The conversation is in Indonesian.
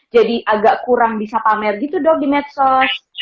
jadi agak kurang bisa pamer gitu dong di medsos